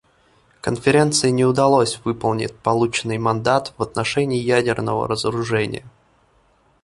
Конференции не удалось выполнить полученный мандат в отношении ядерного разоружения.